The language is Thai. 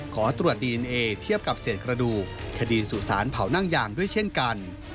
ขอตรวจดีเอนเอเทียบกับเศษกระดูกคดีสู่สารเผานั่งยางด้วยเช่นกัน